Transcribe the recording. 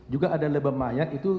juga ada lebam mayat itu